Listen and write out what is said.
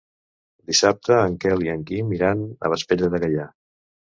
Dissabte en Quel i en Guim iran a Vespella de Gaià.